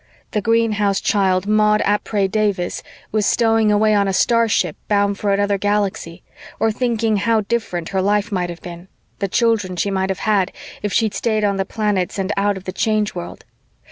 The greenhouse child Maud ap Ares Davies was stowing away on a starship bound for another galaxy, or thinking how different her life might have been, the children she might have had, if she'd stayed on the planets and out of the Change World.